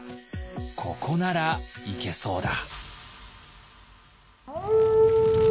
「ここならいけそうだ」。